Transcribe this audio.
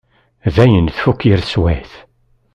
Dayen tfukk yir teswiεt.